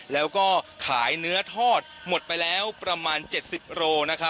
แล้วก็ขายเนื้อทอดหมดไปแล้วประมาณ๗๐โร